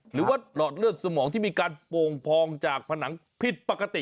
หลอดเลือดสมองที่มีการโป่งพองจากผนังผิดปกติ